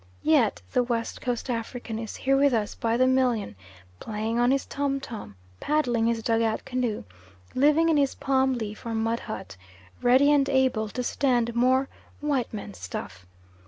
Yet the West Coast African is here with us by the million playing on his tom tom, paddling his dug out canoe, living in his palm leaf or mud hut, ready and able to stand more "white man stuff."